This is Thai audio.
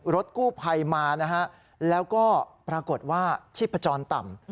รถกู้ภัยมานะฮะแล้วก็ปรากฏว่าชีพจรต่ำ